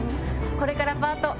これからパート。